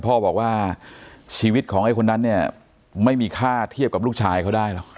พ่อบอกว่าชีวิตของไอ้คนนั้นเนี่ยไม่มีค่าเทียบกับลูกชายเขาได้หรอก